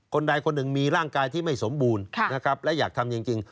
ใดคนหนึ่งมีร่างกายที่ไม่สมบูรณ์นะครับและอยากทำจริง